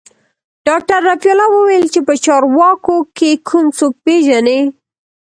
ډاکتر رفيع الله وويل چې په چارواکو کښې کوم څوک پېژني.